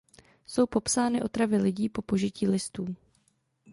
Jsou popsány otravy lidí po požití listů.